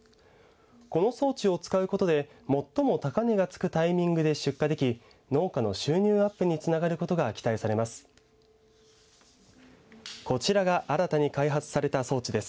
この装置を使うことで最も高値がつくタイミングで出荷でき農家の収入アップにつながることが期待されます。